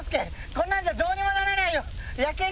こんなんじゃどうにもならないよ。